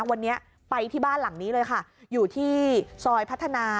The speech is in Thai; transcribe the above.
วันนี้ไปที่บ้านหลังนี้เลยค่ะอยู่ที่ซอยพัฒนา